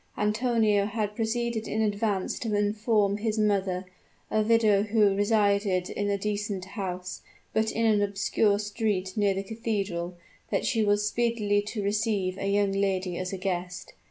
Antonio had proceeded in advance to inform his mother a widow who resided in a decent house, but in an obscure street near the cathedral that she was speedily to receive a young lady as a guest.